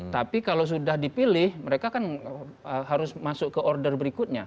tapi kalau sudah dipilih mereka kan harus masuk ke order berikutnya